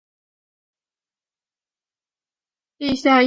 地下一楼二楼